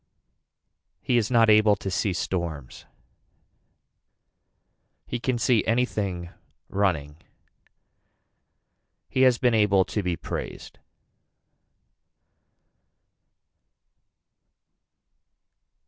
He is not able to see storms. He can see anything running. He has been able to be praised.